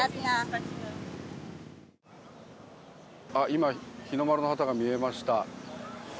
今日の丸の旗が見えました。